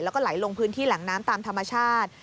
แล้วก็ไหลลงพื้นที่แหล่งน้ำตามธรรมชาติ